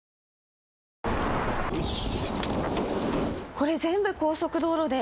これ全部高速道路で。